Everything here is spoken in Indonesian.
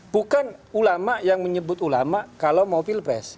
bukan ulama yang menyebut ulama kalau mau pilpres